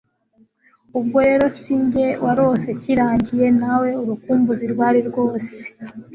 Ubwo rero sinjye warose kirangiye nawe urukumbuzi rwari rwose